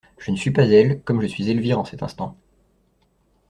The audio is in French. Je ne suis pas elle, comme je suis Elvire en cet instant!